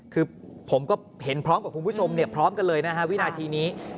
คือผมก็เห็นพร้อมกับคุณผู้ชมพร้อมกันเลยนะฮะวินาทีนี้